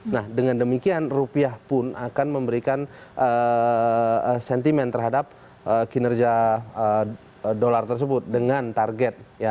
nah dengan demikian rupiah pun akan memberikan sentimen terhadap kinerja dolar tersebut dengan target